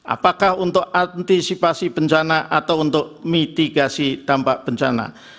apakah untuk antisipasi bencana atau untuk mitigasi dampak bencana